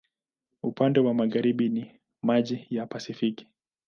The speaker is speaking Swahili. Upande wa magharibi ni maji wa Pasifiki.